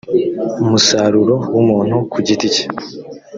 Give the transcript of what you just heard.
musaruro w umuntu ku giti cye